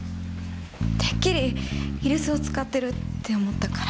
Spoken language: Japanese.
てっきり居留守を使ってるって思ったから。